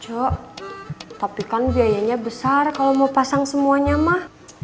yuk tapi kan biayanya besar kalau mau pasang semuanya mah